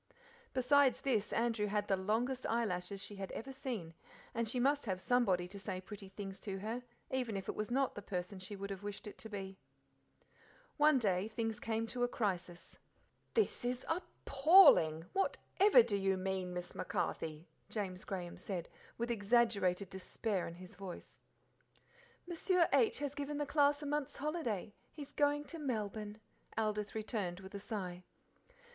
Besides this Andrew had the longest eyelashes she had ever seen and she must have somebody to say pretty things to her, even if it was not the person she would have wished it to be. One day things came to a crisis. "No more trips on the dear old boat for a month," Aldith remarked, from her corner of the cabin. "This is appalling! Whatever do you mean, Miss MacCarthy?" James Graham said, with exaggerated despair in his voice. "Monsieur H has given the class a month's holiday. He is going to Melbourne," Aldith returned, with a sigh.